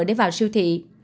để vào siêu thị